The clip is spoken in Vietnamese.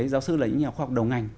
giáo sư là những nhà khoa học đầu ngành